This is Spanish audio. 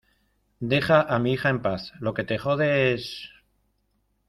deja a mi hija en paz. lo que te jode es